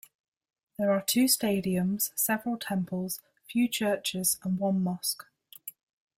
There are two stadiums, several temples, few churches and one mosque.